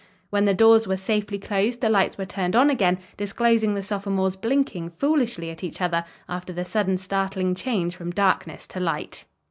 When the doors were safely closed the lights were turned on again, disclosing the sophomores blinking foolishly at each other after the sudden startling change from darkness to light.